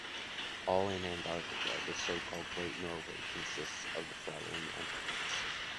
All in Antarctica: the so-called great Norway consists of the following entities: